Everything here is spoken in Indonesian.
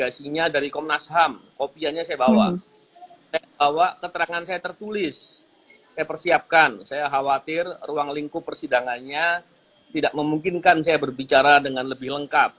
saya tertuliskan saya khawatir ruang lingkup persidangannya tidak memungkinkan saya berbicara dengan lebih lengkap